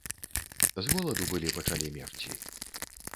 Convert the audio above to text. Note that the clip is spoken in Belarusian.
З голаду былі пачалі мерці.